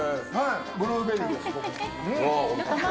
ブルーベリーです僕の。